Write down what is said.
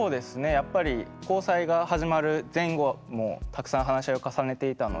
やっぱり交際が始まる前後もたくさん話し合いを重ねていたので。